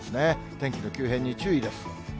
天気の急変に注意です。